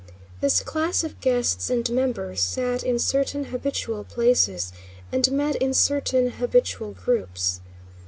This class of guests and members sat in certain habitual places and met in certain habitual groups.